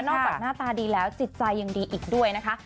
จากหน้าตาดีแล้วจิตใจยังดีอีกด้วยนะคะ